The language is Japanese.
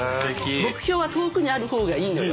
目標は遠くにある方がいいのよ。